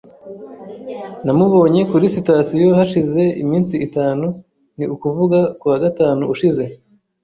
Namubonye kuri sitasiyo hashize iminsi itanu, ni ukuvuga kuwa gatanu ushize .